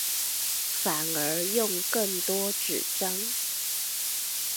反而用更多紙張